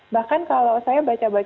bahkan kalau saya baca baca dari cdc